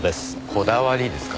こだわりですか？